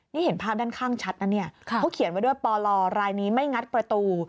นี่เห็นภาพด้านข้างชัดนะเนี่ยเขาเขียนไว้ด้วยปลรายนี้ไม่งัดประตู